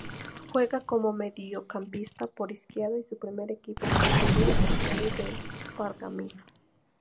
Juega como mediocampista por izquierda y su primer equipo fue Douglas Haig de Pergamino.